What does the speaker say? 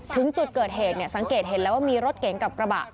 ถึงจุดเกิดเหตุสังเกตเห็นแล้วว่ามีรถเก๋งกับกระบะ